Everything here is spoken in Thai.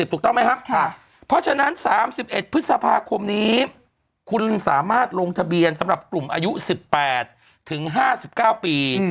ถูกต้องไหมครับเพราะฉะนั้น๓๑พฤษภาคมนี้คุณสามารถลงทะเบียนสำหรับกลุ่มอายุ๑๘ถึง๕๙ปี